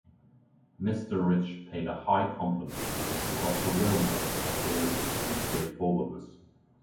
Mr. Rich paid a high compliment to Mr. Russell Willmott's ability and straightforwardness.